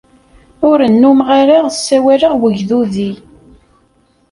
Ur nnummeɣ ara ssawaleɣ wagdudi.